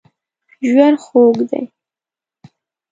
ژوند خوږ دی.